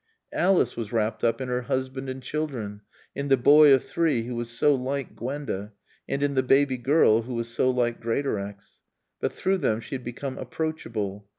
Alice was wrapped up in her husband and children, in the boy of three who was so like Gwenda, and in the baby girl who was so like Greatorex. But through them she had become approachable.